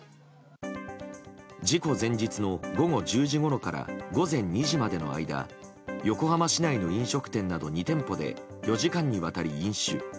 事故前日の午後１０時ごろから午前２時までの間横浜市内の飲食店など２店舗で４時間にわたり飲酒。